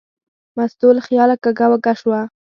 مستو له خیاله کږه وږه شوه.